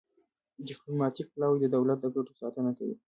ډیپلوماتیک پلاوی د دولت د ګټو ساتنه کوي